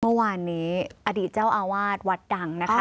เมื่อวานนี้อดีตเจ้าอาวาสวัดดังนะคะ